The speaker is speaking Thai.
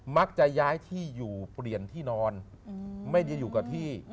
มักจะย้ายที่อยู่เปลี่ยนที่นอนไม่ได้อยู่กับที่